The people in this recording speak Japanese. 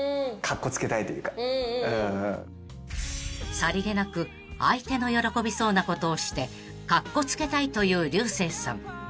［さりげなく相手の喜びそうなことをしてカッコつけたいという竜星さん］